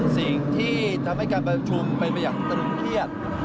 สิ่งที่ทำให้การประชุมเป็นบัญญัติธรรมเทียด